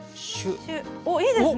おっいいですね。